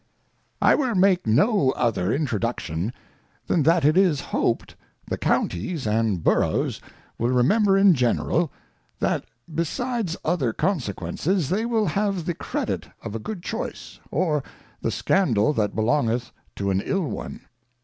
I Will make no other Introduction, than that it is hoped the Counties and Boroughs will remember in general. That besides other Consequences, they will have the Credit of a good Choice, or the Scandal that belongeth to an ill one.